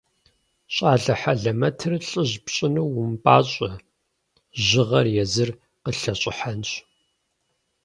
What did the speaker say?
Щӏалэ хьэлэмэтыр лӏыжь пщӏыну умыпӏащӏэ, жьыгъэр езыр къылъэщӏыхьэнщ.